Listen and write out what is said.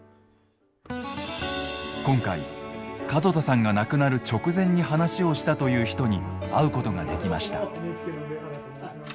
今回門田さんが亡くなる直前に話をしたという人に会うことができました。